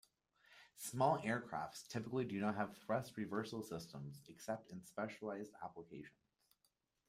Small aircraft typically do not have thrust reversal systems, except in specialized applications.